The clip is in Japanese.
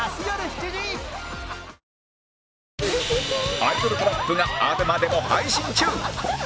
アイドルトラップが ＡＢＥＭＡ でも配信中！